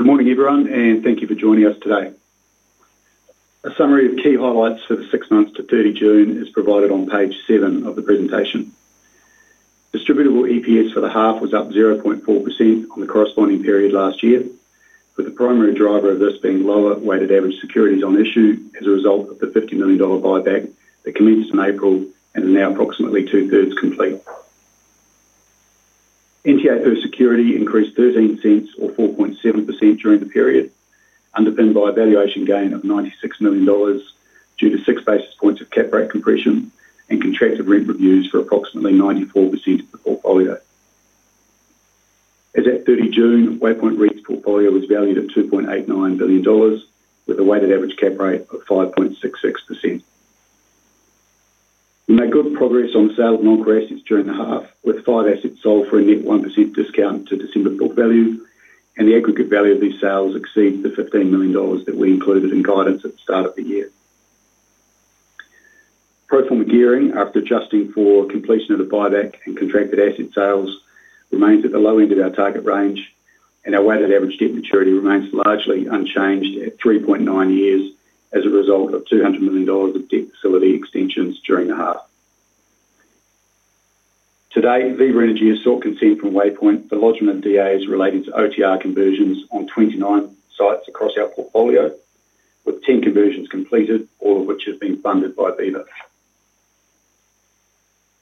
Good morning, everyone, and thank you for joining us today. A summary of key highlights for the six months to 30 June is provided on page seven of the presentation. Distributable EPS for the half was up 0.4% in the corresponding period last year, with the primary driver of this being lower weighted average securities on issue as a result of the 50 million dollar buyback that commenced in April and is now approximately two-thirds complete. NTA per security increased 0.13, or 4.7%, during the period, underpinned by a valuation gain of 96 million dollars due to six basis points of cap rate compression and contractive rent reviews for approximately 94% of the portfolio. As at 30 June, Waypoint REIT's portfolio was valued at 2.89 billion dollars, with a weighted average cap rate of 5.66%. We made good progress on sale of non-core assets during the half, with five assets sold for a net 1% discount to December book value, and the aggregate value of these sales exceeded the 15 million dollars that we included in guidance at the start of the year. Pro forma gearing, after adjusting for completion of the buyback and contracted asset sales, remains at the low end of our target range, and our weighted average debt maturity remains largely unchanged at 3.9 years as a result of 200 million dollars of debt facility extensions during the half. Today, Viva Energy has sought consent from Waypoint for the lodgement of DAs related to OTR conversions on 29 sites across our portfolio, with 10 conversions completed, all of which have been funded by Viva.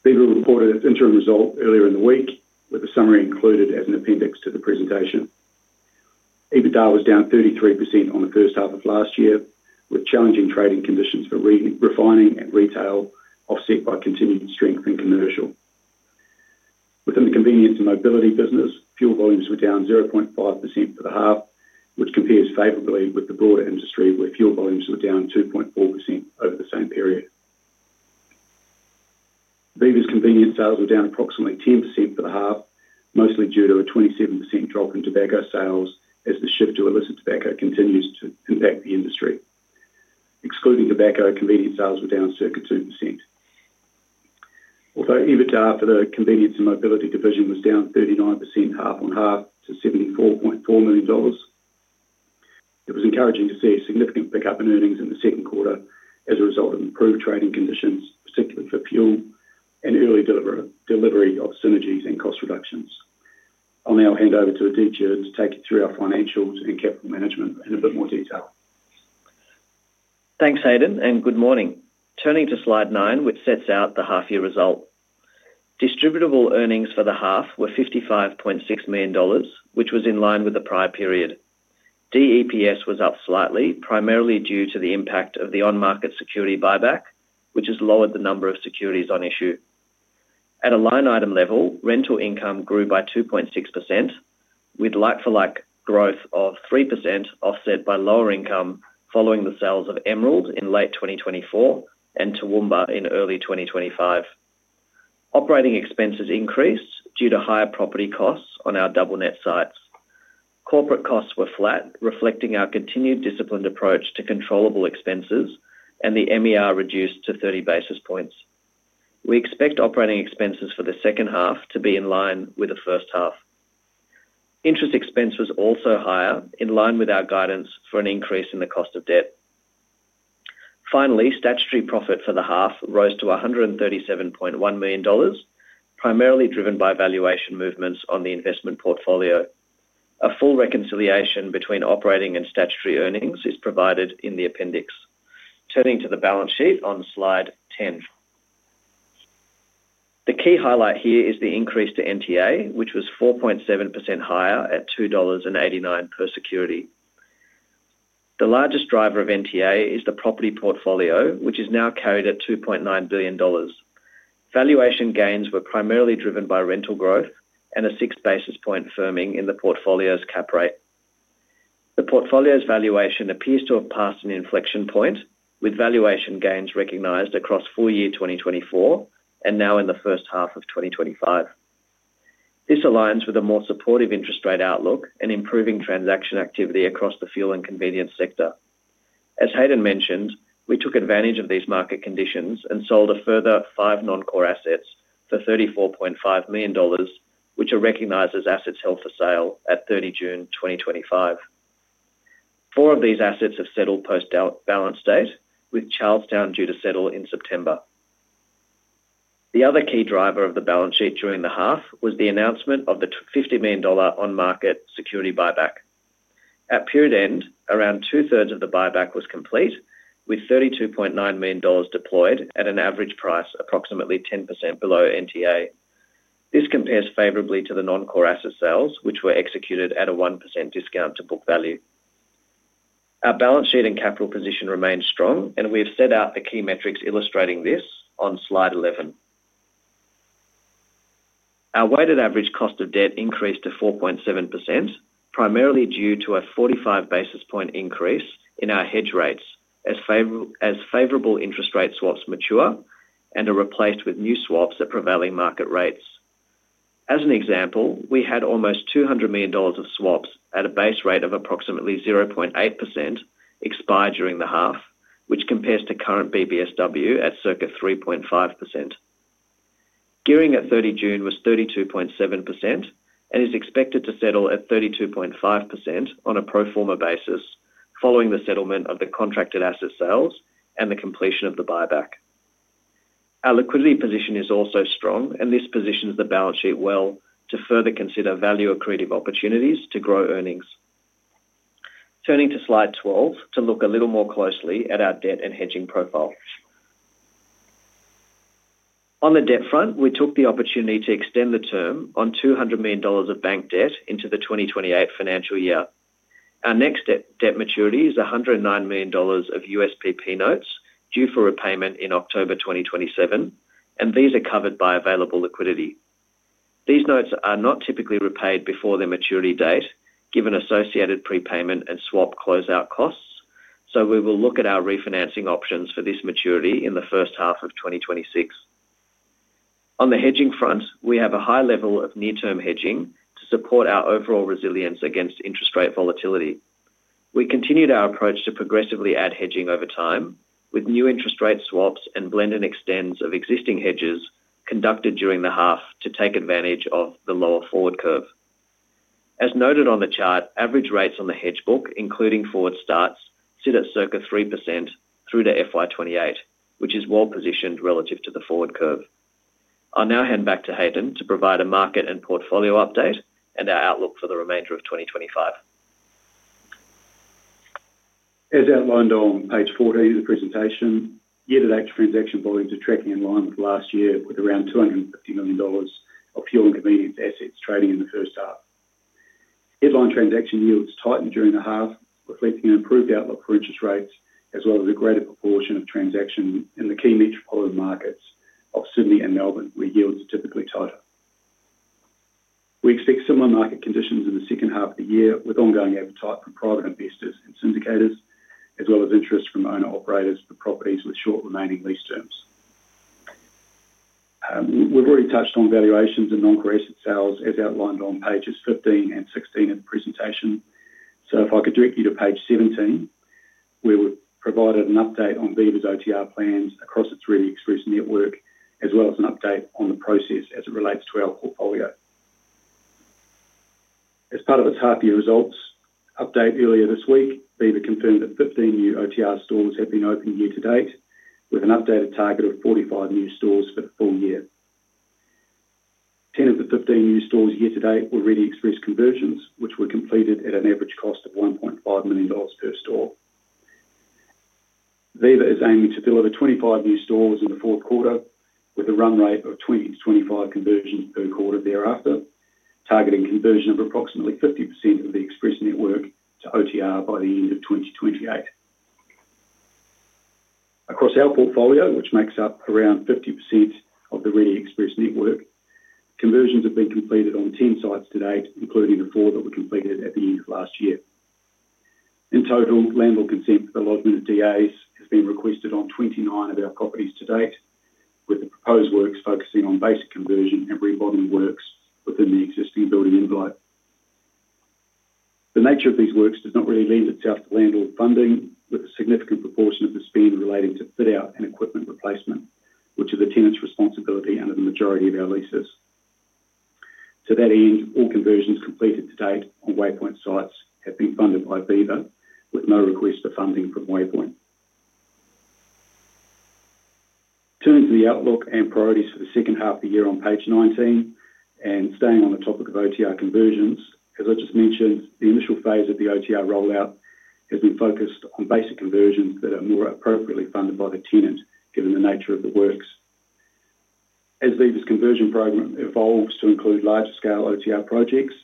Viva reported its interim result earlier in the week, with a summary included as an appendix to the presentation. EBITDA was down 33% on the first half of last year, with challenging trading conditions for refining and retail offset by continued strength in commercial. Within the convenience and mobility business, fuel volumes were down 0.5% for the half, which compares favorably with the broader industry, where fuel volumes were down 2.4% over the same period. Viva's convenience sales were down approximately 10% for the half, mostly due to a 27% drop in tobacco sales as the shift to illicit tobacco continues to impact the industry. Excluding tobacco, convenience sales were down circa 2%. Although EBITDA for the convenience and mobility division was down 39% half on half to AUD 74.4 million, it was encouraging to see a significant pickup in earnings in the second quarter as a result of improved trading conditions, effective for fuel and early delivery of synergies and cost reductions. I'll now hand over to Aditya to take you through our financials and capital management in a bit more detail. Thanks, Hadyn, and good morning. Turning to slide nine, which sets out the half-year result, distributable earnings for the half were 55.6 million dollars, which was in line with the prior period. DEPS was up slightly, primarily due to the impact of the on-market security buyback, which has lowered the number of securities on issue. At a line item level, rental income grew by 2.6%, with like-for-like growth of 3% offset by lower income following the sales of Emerald in late 2024 and Toowoomba in early 2025. Operating expenses increased due to higher property costs on our double net sites. Corporate costs were flat, reflecting our continued disciplined approach to controllable expenses, and the MER reduced to 30 basis points. We expect operating expenses for the second half to be in line with the first half. Interest expense was also higher, in line with our guidance for an increase in the cost of debt. Finally, statutory profit for the half rose to 137.1 million dollars, primarily driven by valuation movements on the investment portfolio. A full reconciliation between operating and statutory earnings is provided in the appendix. Turning to the balance sheet on slide 10, the key highlight here is the increase to NTA, which was 4.7% higher at 2.89 dollars per security. The largest driver of NTA is the property portfolio, which is now carried at 2.9 billion dollars. Valuation gains were primarily driven by rental growth and a six basis point firming in the portfolio's cap rate. The portfolio's valuation appears to have passed an inflection point, with valuation gains recognized across full year 2024 and now in the first half of 2025. This aligns with a more supportive interest rate outlook and improving transaction activity across the fuel and convenience sector. As Hadyn mentioned, we took advantage of these market conditions and sold a further five non-core assets for 34.5 million dollars, which are recognized as assets held for sale at 30 June 2025. Four of these assets have settled post-balance date, with Charlestown due to settle in September. The other key driver of the balance sheet during the half was the announcement of the 50 million dollar on-market security buyback. At period end, around two-thirds of the buyback was complete, with 32.9 million dollars deployed at an average price approximately 10% below NTA. This compares favorably to the non-core asset sales, which were executed at a 1% discount to book value. Our balance sheet and capital position remain strong, and we have set out the key metrics illustrating this on slide 11. Our weighted average cost of debt increased to 4.7%, primarily due to a 45 basis point increase in our hedge rates, as favorable interest rate swaps mature and are replaced with new swaps at prevailing market rates. As an example, we had almost 200 million dollars of swaps at a base rate of approximately 0.8% expire during the half, which compares to current BBSW at circa 3.5%. Gearing at June 30 was 32.7% and is expected to settle at 32.5% on a pro forma basis following the settlement of the contracted asset sales and the completion of the buyback. Our liquidity position is also strong, and this positions the balance sheet well to further consider value accretive opportunities to grow earnings. Turning to slide 12 to look a little more closely at our debt and hedging profile. On the debt front, we took the opportunity to extend the term on 200 million dollars of bank debt into the 2028 financial year. Our next debt maturity is 109 million dollars of USPP notes due for repayment in October 2027, and these are covered by available liquidity. These notes are not typically repaid before their maturity date, given associated prepayment and swap closeout costs, so we will look at our refinancing options for this maturity in the first half of 2026. On the hedging front, we have a high level of near-term hedging to support our overall resilience against interest rate volatility. We continued our approach to progressively add hedging over time with new interest rate swaps and blend and extends of existing hedges conducted during the half to take advantage of the lower forward curve. As noted on the chart, average rates on the hedge book, including forward starts, sit at circa 3% through to FY 2028, which is well positioned relative to the forward curve. I'll now hand back to Hadyn to provide a market and portfolio update and our outlook for the remainder of 2025. As outlined on page 14 of the presentation, year-to-date transaction volumes are tracking in line with last year, with around 250 million dollars of fuel and convenience assets trading in the first half. Headline transaction yields tightened during the half, reflecting an improved outlook for interest rates, as well as a greater proportion of transactions in the key metropolitan markets of Sydney and Melbourne, where yields are typically tighter. We expect similar market conditions in the second half of the year, with ongoing appetite from private investors and syndicators, as well as interest from owner-operators for properties with short remaining lease terms. We've already touched on valuations and Non-core Asset Sales, as outlined on pages 15 and 16 in the presentation. If I could direct you to page 17, we would provide an update on Viva's OTR plans across its really express network, as well as an update on the process as it relates to our portfolio. As part of its half-year results update earlier this week, Viva confirmed that 15 new OTR stores have been opened year to date, with an updated target of 45 new stores for the full year. 10 of the 15 new stores year to date were really express conversions, which were completed at an average cost of 1.5 million dollars per store. Viva is aiming to deliver 25 new stores in the fourth quarter, with a run rate of 20-25 conversions per quarter thereafter, targeting conversion of approximately 50% of the express network to OTR by the end of 2028. Across our portfolio, which makes up around 50% of the really express network, conversions have been completed on 10 sites to date, including the four that were completed at the end of last year. In total, landlord consent for the lodgement of DAs has been requested on 29 of our properties to date, with the proposed works focusing on basic conversion and remodeling works within the existing building envelope. The nature of these works did not really lend itself to landlord funding, with a significant proportion of the spend relating to fit out and equipment replacement, which are the tenant's responsibility under the majority of our leases. To that end, all conversions completed to date on Waypoint sites have been funded by Viva, with no request for funding from Waypoint. Turning to the outlook and priorities for the second half of the year on page 19, and staying on the topic of OTR conversions, as I just mentioned, the initial phase of the OTR rollout has been focused on basic conversions that are more appropriately funded by the tenant, given the nature of the works. As Viva's conversion program evolves to include larger scale OTR projects,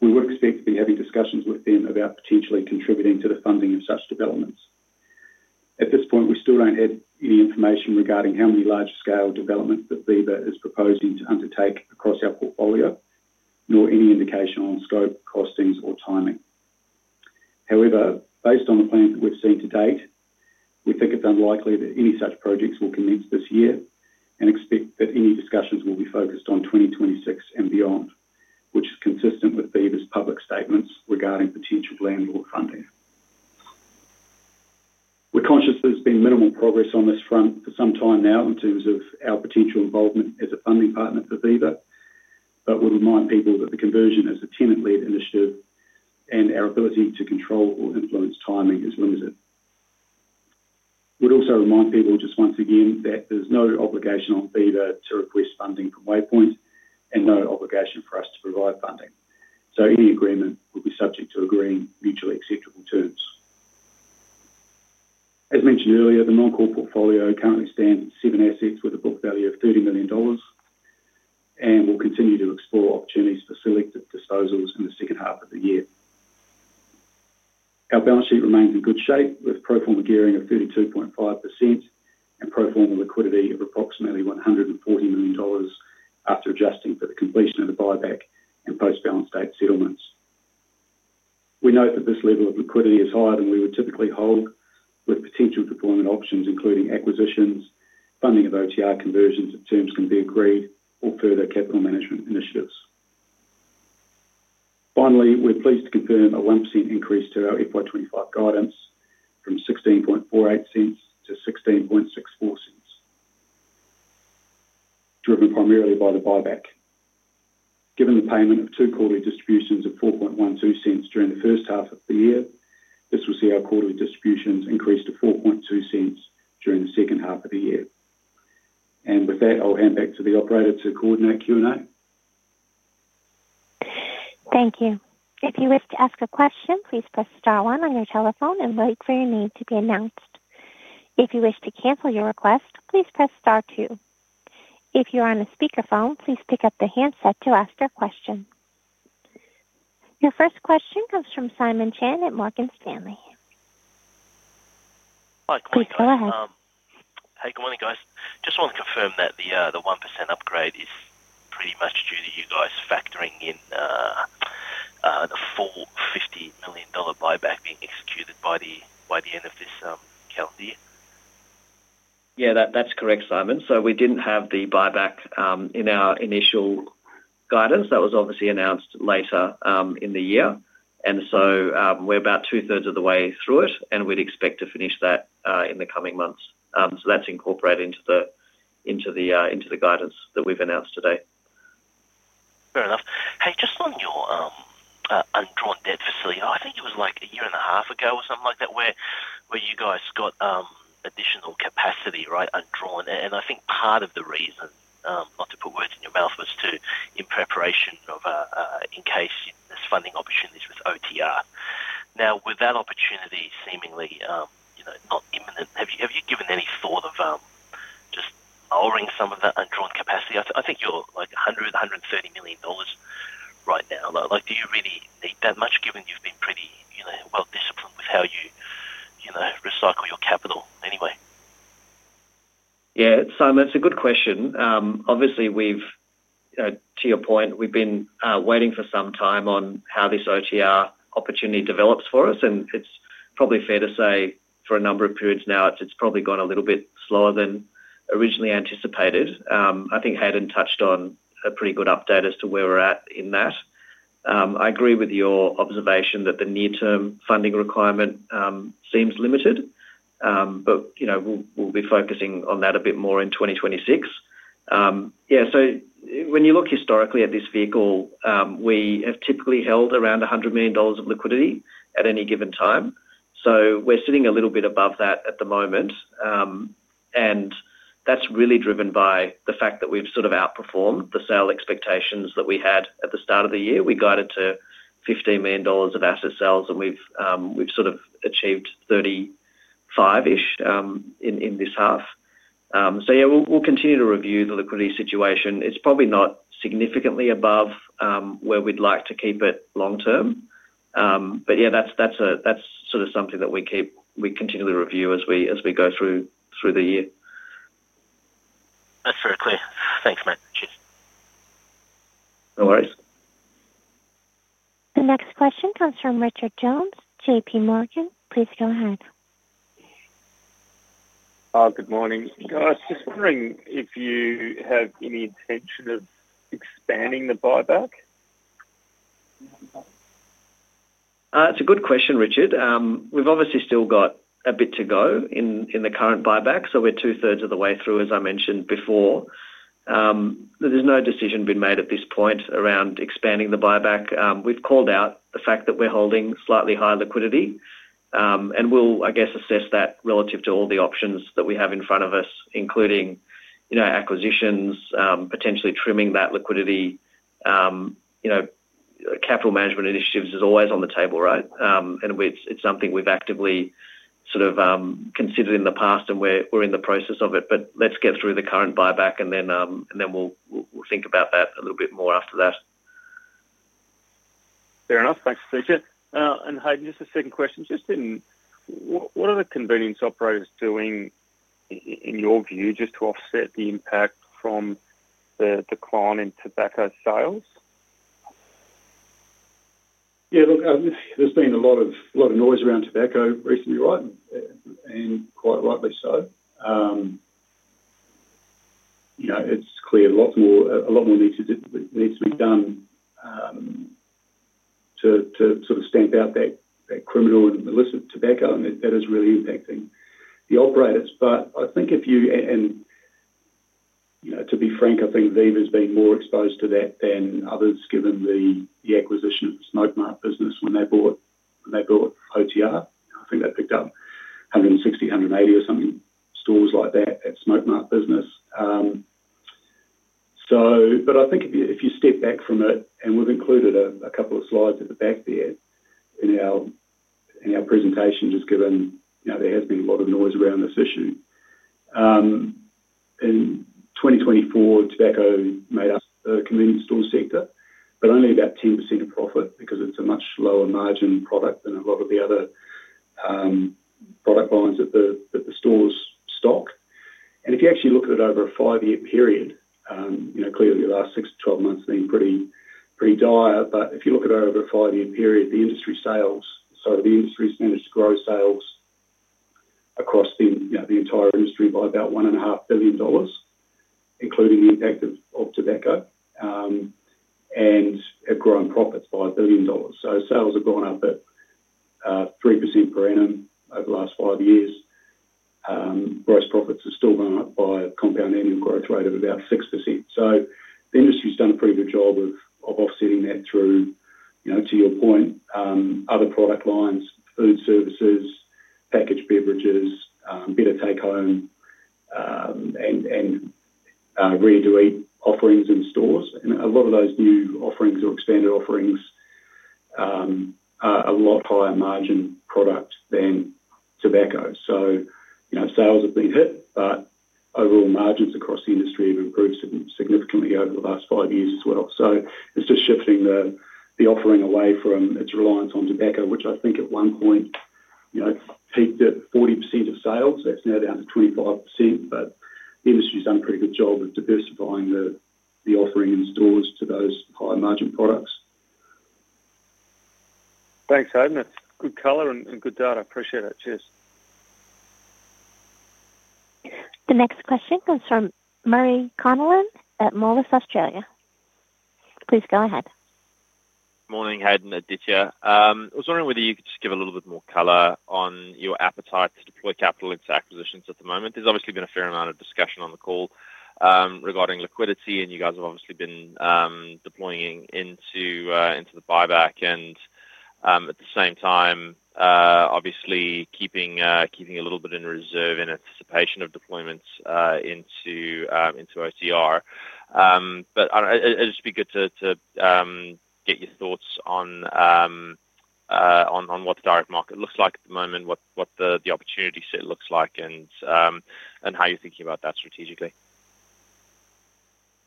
we would expect to be having discussions with them about potentially contributing to the funding of such developments. At this point, we still don't have any information regarding how many larger scale developments that Viva is proposing to undertake across our portfolio, nor any indication on scope, costings, or timing. However, based on the plans that we've seen to date, we think it's unlikely that any such projects will commence this year and expect that any discussions will be focused on 2026 and beyond, which is consistent with Viva's public statements regarding potential landlord funding. We're conscious that there's been minimal progress on this front for some time now in terms of our potential involvement as a funding partner for Viva, but we'll remind people that the conversion is a tenant-led initiative and our ability to control or influence timing is limited. We'd also remind people just once again that there's no obligation on Viva to request funding from Waypoint and no obligation for us to provide funding. Any agreement will be subject to agreeing mutually acceptable terms. As mentioned earlier, the non-core portfolio currently stands at seven assets with a book value of AUD 30 million and will continue to explore opportunities for selective disposals in the second half of the year. Our balance sheet remains in good shape with pro forma gearing of 32.5% and pro forma liquidity of approximately 140 million dollars after adjusting for the completion of the buyback and post-balance date settlements. We note that this level of liquidity is higher than we would typically hold, with potential deployment options including acquisitions, funding of OTR conversions if terms can be agreed, or further capital management initiatives. Finally, we're pleased to confirm a 1% increase to our FY 2025 guidance from 0.1648-0.1664, driven primarily by the buyback. Given the payment of two quarterly distributions of 0.0412 during the first half of the year, this will see our quarterly distributions increase to 0.042 during the second half of the year. I'll hand back to the operator to coordinate Q&A. Thank you. If you wish to ask a question, please press star one on your telephone and wait for your name to be announced. If you wish to cancel your request, please press star two. If you are on a speakerphone, please pick up the handset to ask your question. Your first question comes from Simon Chen at Morgan Stanley. Please go ahead. Hey, good morning, guys. Just wanted to confirm that the 1% upgrade is pretty much due to you guys factoring in the full 50 million dollar buyback being executed by the end of this calendar year. Yeah, that's correct, Simon. We didn't have the buyback in our initial guidance. That was obviously announced later in the year. We're about two-thirds of the way through it, and we'd expect to finish that in the coming months. That's incorporated into the guidance that we've announced today. Fair enough. Hey, just on your undrawn debt facility, I think it was like a year and a half ago or something like that where you guys got additional capacity, right, undrawn. I think part of the reason, not to put words in your mouth, was in preparation of in case there's funding opportunities with OTR. Now, with that opportunity seemingly not imminent, have you given any thought of just borrowing some of that drawn capacity? I think you're like 100 million, 130 million dollars right now. Do you really need that much given you've been pretty, you know, well disciplined with how you recycle your capital anyway? Yeah, Simon, that's a good question. Obviously, we've, you know, to your point, we've been waiting for some time on how this OTR opportunity develops for us. It's probably fair to say for a number of periods now, it's probably gone a little bit slower than originally anticipated. I think Hadyn touched on a pretty good update as to where we're at in that. I agree with your observation that the near-term funding requirement seems limited, but you know, we'll be focusing on that a bit more in 2026. When you look historically at this vehicle, we have typically held around 100 million dollars of liquidity at any given time. We're sitting a little bit above that at the moment, and that's really driven by the fact that we've sort of outperformed the sale expectations that we had at the start of the year. We guided to 15 million dollars of asset sales, and we've sort of achieved 35 million in this half. We'll continue to review the liquidity situation. It's probably not significantly above where we'd like to keep it long-term, but that's sort of something that we continually review as we go through the year. That's very clear. Thanks, mate. No worries. The next question comes from Richard Jones, JP Morgan. Please go ahead. Good morning. I was just wondering if you have any intention of expanding the on-market security buyback. That's a good question, Richard. We've obviously still got a bit to go in the current buyback. We're two-thirds of the way through, as I mentioned before. There's no decision been made at this point around expanding the buyback. We've called out the fact that we're holding slightly high liquidity. We'll assess that relative to all the options that we have in front of us, including acquisitions, potentially trimming that liquidity. Capital management initiatives are always on the table, right? It's something we've actively sort of considered in the past, and we're in the process of it. Let's get through the current buyback, and then we'll think about that a little bit more after that. Fair enough. Thanks, Richard. Hadyn, just a second question. Just in, what are the convenience operators doing in your view just to offset the impact from the decline in tobacco sales? Yeah, look, there's been a lot of noise around tobacco recently, right? Quite likely so. You know, it's clear a lot more needs to be done to sort of stamp out that criminal and malicious tobacco, and that is really impacting the operators. I think if you, and you know, to be frank, I think Viva has been more exposed to that than others, given the acquisition of the Smoke Mart business when they bought OTR. I think they picked up having 60, 180 or something stores like that at Smoke Mart business. I think if you step back from it, and we've included a couple of slides at the back there in our presentation, just given you know, there has been a lot of noise around this issue. In 2024, tobacco made up the convenience store sector, but only about 10% of profit because it's a much lower margin product than a lot of the other product lines that the stores stock. If you actually look at it over a five-year period, you know, clearly the last 6 months-12 months have been pretty dire, but if you look at it over a five-year period, the industry sales, so the industry's managed to grow sales across the entire industry by about 1.5 billion dollars, including the impact of tobacco, and have grown profits by 1 billion dollars. Sales have gone up at 3% per annum over the last five years. Gross profits have still gone up by a compound annual growth rate of about 6%. The industry has done a pretty good job of offsetting that through, you know, to your point, other product lines, food services, packaged beverages, better take home, and ready-to-eat offerings in the stores. A lot of those new offerings or expanded offerings are a lot higher margin product than tobacco. You know, sales have been hit, but overall margins across the industry have improved significantly over the last five years as well. It's just shifting the offering away from its reliance on tobacco, which I think at one point, you know, it's 40% of sales, it's now down to 25%, but the industry's done a pretty good job of diversifying the offering in stores to those high margin products. Thanks, Hadyn. That's good color and good data. Appreciate it. Cheers. The next question comes from Murray Connolly at Morris Australia. Please go ahead. Morning, Hadyn, Aditya. I was wondering whether you could just give a little bit more color on your appetite to deploy capital into acquisitions at the moment. There's obviously been a fair amount of discussion on the call regarding liquidity, and you guys have obviously been deploying into the buyback. At the same time, obviously keeping a little bit in reserve in anticipation of deployments into OTR. I don't know, it'd just be good to get your thoughts on what the direct market looks like at the moment, what the opportunity set looks like, and how you're thinking about that strategically.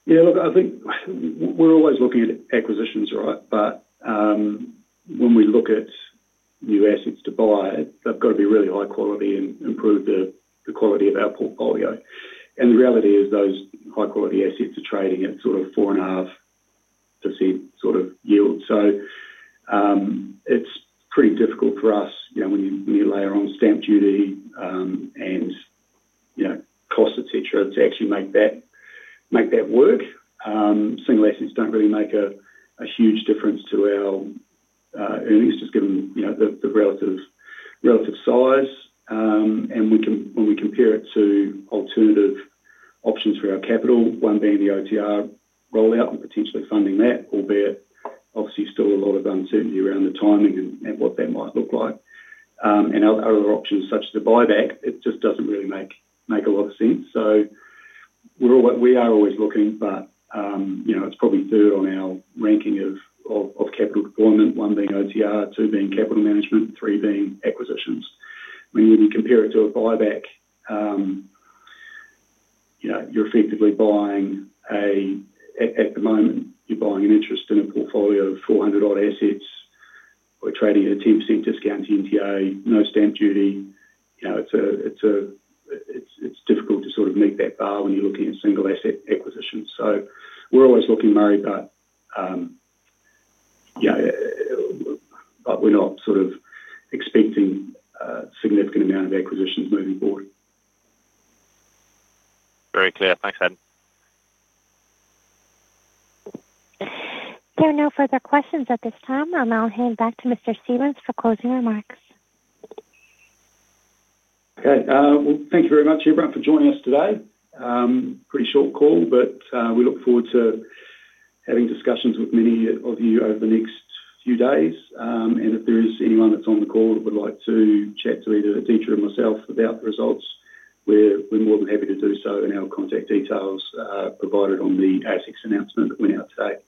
Yeah, look, I think we're always looking at acquisitions, right? When we look at new assets to buy, they've got to be really high quality and improve the quality of our portfolio. The reality is those high quality assets are trading at sort of 4.5% sort of yield. It's pretty difficult for us, you know, when you layer on stamp duty and, you know, costs, et cetera, to actually make that work. Single assets don't really make a huge difference to our earnings, just given, you know, the relative size. When we compare it to alternative options for our capital, one being the OTR rollout and potentially funding that, albeit obviously still a lot of uncertainty around the timing and what that might look like, and other options such as the buyback, it just doesn't really make a lot of sense. We are always looking, but you know, it's probably third on our ranking of capital deployment, one being OTR, two being capital management, and three being acquisitions. When you compare it to a buyback, you're effectively buying a, at the moment, you're buying an interest in a portfolio of 400 odd assets. We're trading at a 10% discount NTA, no stamp duty. It's difficult to sort of meet that bar when you're looking at single asset acquisitions. We're always looking, Murray, but we're not sort of expecting a significant amount of acquisitions moving forward. Very clear. Thanks, Hadyn. There are no further questions at this time. I'll now hand back to Mr. Stephens for closing remarks. Thank you very much, everyone, for joining us today. Pretty short call, but we look forward to having discussions with many of you over the next few days. If there is anyone that's on the call that would like to chat to either Aditya or myself about the results, we're more than happy to do so, and our contact details are provided on the assets announcement that went out today.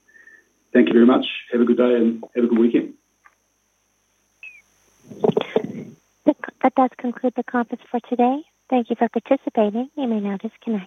Thank you very much. Have a good day and have a good weekend. That does conclude the conference for today. Thank you for participating. You may now disconnect.